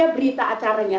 ada berita acaranya